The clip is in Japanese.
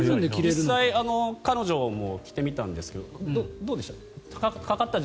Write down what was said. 実際、彼女も着てみたんですけどどうでした？